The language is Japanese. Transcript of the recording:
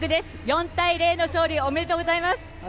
４対０の勝利ありがとうございます。